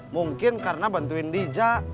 mungkin karena bantuin diza